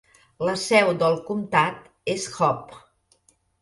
La seu del comtat és Hope.